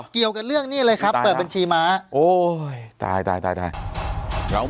เกี่ยวกับเรื่องแบบนี้เหรอ